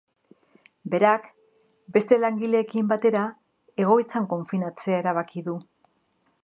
Berak, beste langileekin batera, egoitzan konfinatzea erabaki du.